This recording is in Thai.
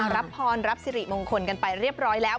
รับพรรับสิริมงคลกันไปเรียบร้อยแล้ว